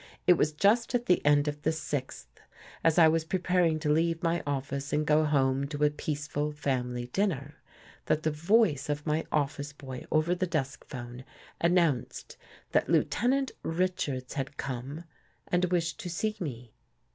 It was just at the end of the sixth, as I was preparing to leave my office and go home to a peaceful family dinner, that the voice of my office boy over the desk phone, announced that Lieutenant Richards had come and wished to see me.